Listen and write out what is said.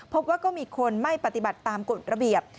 พบว่าก็มีคนไม่ปฏิบัติตามกฎระเบียบ